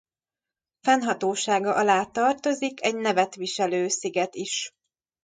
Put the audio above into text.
Fennhatósága alá tartozik egy nevet viselő sziget is.